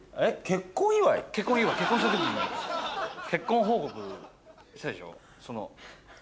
結婚祝い結婚した時に結婚報告したでしょ？